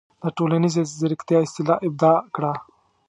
د"ټولنیزې زیرکتیا" اصطلاح ابداع کړه.